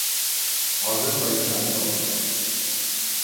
آذربائیجان کا وقت